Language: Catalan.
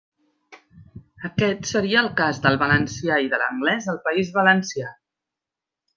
Aquest seria el cas del valencià i de l'anglés al País Valencià.